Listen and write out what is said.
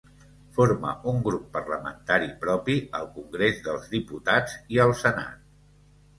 Forma un grup parlamentari propi al Congrés dels Diputats i al Senat.